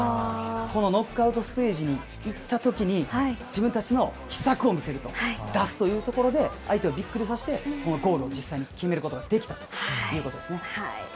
このノックアウトステージに行ったときに、自分たちの秘策を見せると、出すというところで、相手をびっくりさせて、ゴールを実際に決めることができたということですね。